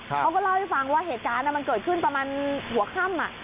เขาก็เล่าให้ฟังว่าเหตุการณ์มันเกิดขึ้นประมาณหัวค่ำ